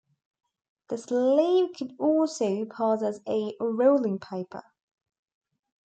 The sleeve could also pass as a rolling paper.